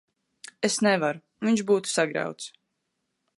Es nevaru. Viņš būtu sagrauts.